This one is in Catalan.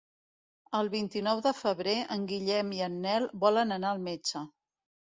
El vint-i-nou de febrer en Guillem i en Nel volen anar al metge.